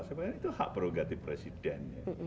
saya bilang itu hak prurigatif presiden